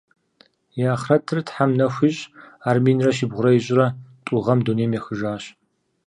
И ахърэтыр Тхьэм нэху ищӏ, ар минрэ щибгъурэ ищӏрэ тӏу гъэм дунейм ехыжащ.